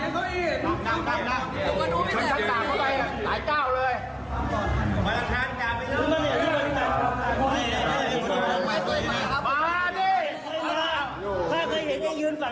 สุดท้ายไปไม่รอดไปดูคลิปนี้เลยครับ